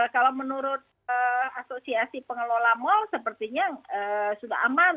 kalau menurut asosiasi pengelola mal sepertinya sudah aman